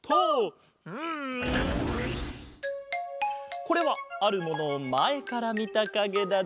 これはあるものをまえからみたかげだぞ。